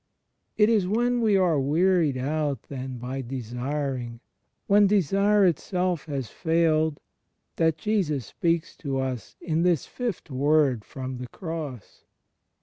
It is when we are wearied out then by desiring, when desire itself has failed, that Jesus speaks to us in this Fifth Word from the Cross.